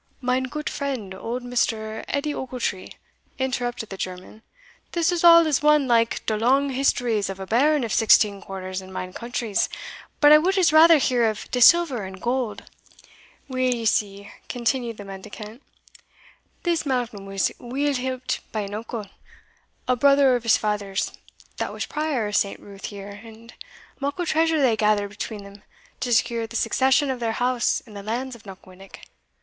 "Mine goot friend, old Mr. Edie Ochiltree." interrupted the German, "this is all as one like de long histories of a baron of sixteen quarters in mine countries; but I would as rather hear of de silver and gold." "Why, ye see," continued the mendicant, "this Malcolm was weel helped by an uncle, a brother o' his father's, that was Prior o' St. Ruth here; and muckle treasure they gathered between them, to secure the succession of their house in the lands of Knockwinnock.